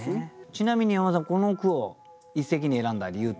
ちなみに山田さんこの句を一席に選んだ理由っていうのは？